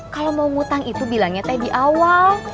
kalau mau ngutang itu bilangnya teh di awal